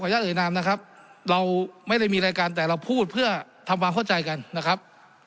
ญาตเอ่นามนะครับเราไม่ได้มีรายการแต่เราพูดเพื่อทำความเข้าใจกันนะครับ